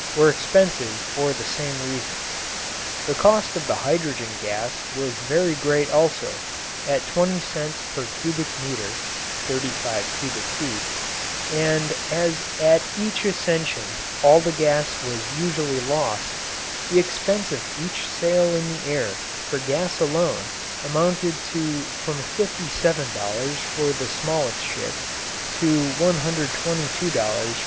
were expensive for the same reason. The cost of the hydrogen gas was very great also, at twenty cents per cubic meter (thirty five cubic feet); and as at each ascension all the gas was usually lost, the expense of each sail in the air for gas alone amounted to from $57 for the smallest ship to $122 for the largest. [Illustration: SANTOS DUMONT IN HIS AIR SHIP "NO.